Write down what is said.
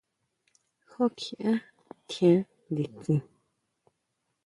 ¿Jú kjiʼá tjián nditsin?